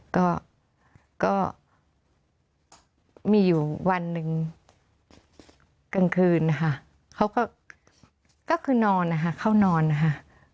ก็มีอยู่วันหนึ่งกลางคืนนะคะเขาก็คือนอนนะคะเข้านอนนะคะ